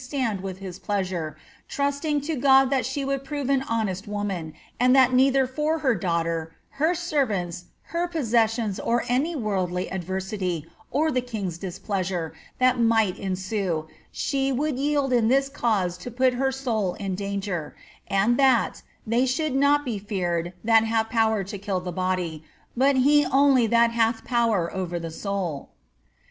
stand with his pleasure, trusting to God Uiat she would prove an honest woman, and that neither for her daughter, her servants, her possessionsi or any worldly adversity, or the king's displeasure, that might ensnei she would yield in this cause to put her soul in danger ; and that, they should not be feared, that have power to kill the body, but He only that hath power over the soul."